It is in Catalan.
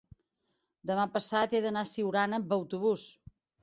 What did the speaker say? demà passat he d'anar a Siurana amb autobús.